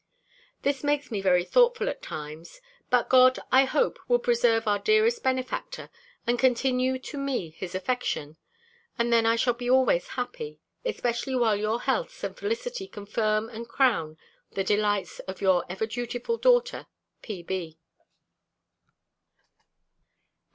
This makes me very thoughtful at times. But God, I hope, will preserve our dearest benefactor, and continue to me his affection, and then I shall be always happy; especially while your healths and felicity confirm and crown the delights of your ever dutiful daughter, P.B.